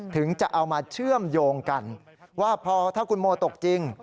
ถึงจะเอามาเชื่อมโยงกันว่าพอถ้าคุณโมตกจริง